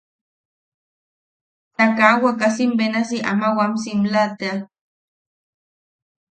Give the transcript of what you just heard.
Ta kaa wakasim benasi ama wam simla tea.